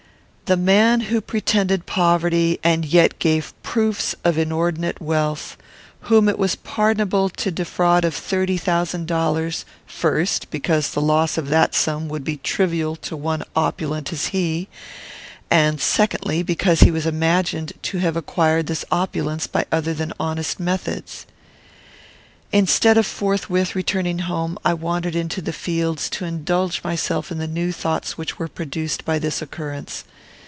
The man who pretended poverty, and yet gave proofs of inordinate wealth; whom it was pardonable to defraud of thirty thousand dollars; first, because the loss of that sum would be trivial to one opulent as he; and, secondly, because he was imagined to have acquired this opulence by other than honest methods. Instead of forthwith returning home, I wandered into the fields, to indulge myself in the new thoughts which were produced by this occurrence.